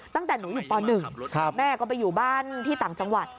ตั้งแต่หนูอยู่ป๑แม่ก็ไปอยู่บ้านที่ต่างจังหวัด